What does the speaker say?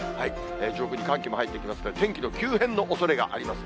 上空に寒気も入ってきますので、天気の急変のおそれがあります。